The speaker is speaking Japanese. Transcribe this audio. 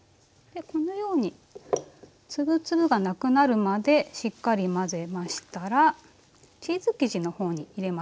でこのように粒々がなくなるまでしっかり混ぜましたらチーズ生地のほうに入れますね。